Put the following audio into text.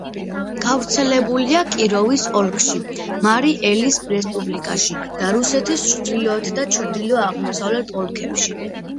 გავრცელებულია კიროვის ოლქში, მარი-ელის რესპუბლიკაში და რუსეთის ჩრდილოეთ და ჩრდილო-აღმოსავლეთ ოლქებში.